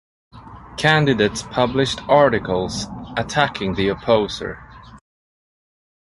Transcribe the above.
Candidates published articles attacking the opposer.